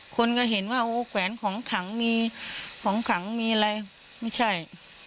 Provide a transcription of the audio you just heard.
คนก็เห็นว่าโอ้แขวนของถังมีของขังมีอะไรไม่ใช่